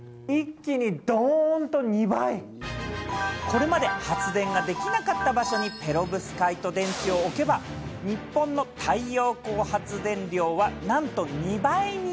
これまで発電ができなかった場所にペロブスカイト電池を置けば、日本の太陽光発電量は、なんと２倍に！